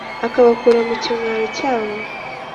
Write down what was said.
akabakura mu kimwaro cyabo,